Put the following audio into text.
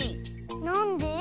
なんで？